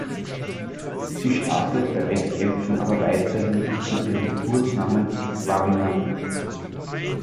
Sie startet bei Wettkämpfen aber weiterhin unter ihrem Geburtsnamen "Warriner".